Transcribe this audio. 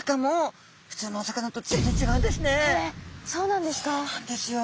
そうなんですよ。